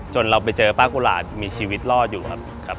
เราไปเจอป้ากุหลาบมีชีวิตรอดอยู่ครับ